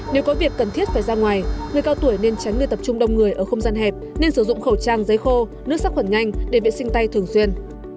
nếu có việc cần thiết phải ra ngoài người cao tuổi nên tránh nơi tập trung đông người ở không gian hẹp nên sử dụng khẩu trang giấy khô nước sát khuẩn nhanh để vệ sinh tay thường xuyên